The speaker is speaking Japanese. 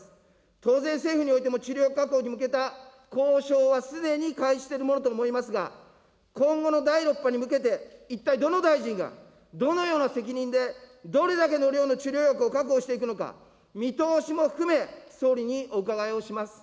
当然、政府においても治療薬確保に向けた交渉はすでに開始しているものと思いますが、今後の第６波に向けて、一体、どの大臣がどのような責任で、どれだけの量の治療薬を確保していくのか、見通しも含め、総理にお伺いをします。